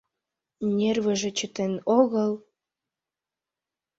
Нервыже чытен огыл...